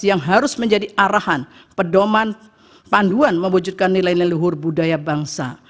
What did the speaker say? yang harus menjadi arahan pedoman panduan mewujudkan nilai nilai luhur budaya bangsa